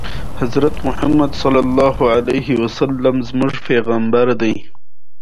روغ زړه سالم ژوند ته لاره هواروي.